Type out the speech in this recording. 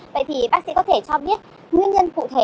vậy thì bác sĩ có thể cho biết nguyên nhân cụ thể